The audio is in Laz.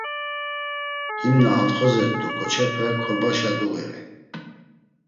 Him na antxozert̆u ǩoçepe korbaşa duğirey.